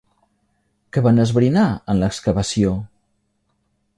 Què van esbrinar en l'excavació?